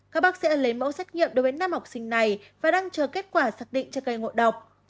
các bác sĩ lấy mẫu xét nghiệm đối với năm học sinh này và đang chờ kết quả xác định cho cây ngộ độc